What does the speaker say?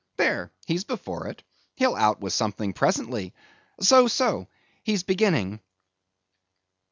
There; he's before it; he'll out with something presently. So, so; he's beginning."